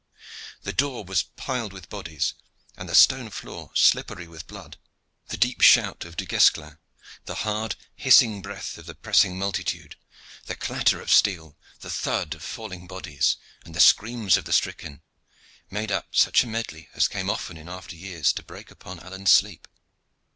The door was piled with bodies, and the stone floor was slippery with blood. The deep shout of Du Guesclin, the hard, hissing breath of the pressing multitude, the clatter of steel, the thud of falling bodies, and the screams of the stricken, made up such a medley as came often in after years to break upon Alleyne's sleep.